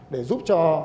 để giúp cho